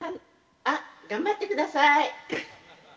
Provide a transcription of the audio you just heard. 頑張ってください。